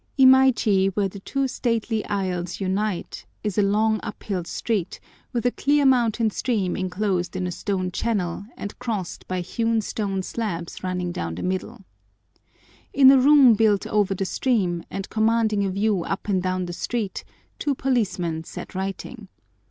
Imaichi, where the two stately aisles unite, is a long uphill street, with a clear mountain stream enclosed in a stone channel, and crossed by hewn stone slabs running down the middle. In a room built over the stream, and commanding a view up and down the street, two policemen sat writing.